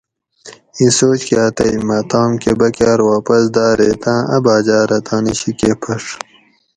اِیں سوچ کاۤ تئ مۤہ تام کۤہ بکاۤر واپس داۤ ریتاۤں اۤ باۤجاۤ رہ تانی شیکۤہ پھڛ